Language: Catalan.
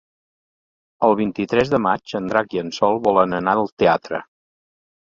El vint-i-tres de maig en Drac i en Sol volen anar al teatre.